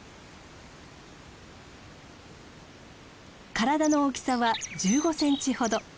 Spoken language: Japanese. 体の大きさは１５センチほど。